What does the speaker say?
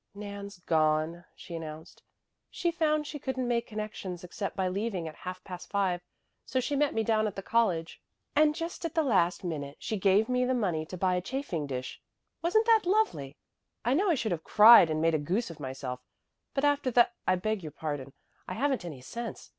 "Nan's gone," she announced. "She found she couldn't make connections except by leaving at half past five, so she met me down at the college. And just at the last minute she gave me the money to buy a chafing dish. Wasn't that lovely? I know I should have cried and made a goose of myself, but after tha I beg your pardon I haven't any sense."